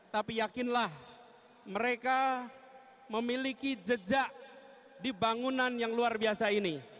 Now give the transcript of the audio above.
tapi yakinlah mereka memiliki jejak di bangunan yang luar biasa ini